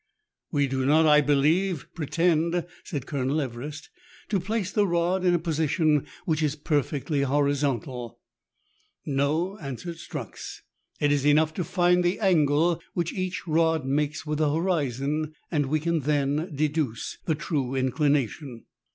" We do not, I believe, pretend," said Colonel Everest, " to place the rod in a position which is perfectly horizontal." " No," answered Strux, " it is enough to find the angle which each rod makes with the horizon, and we can then deduce the true inclination."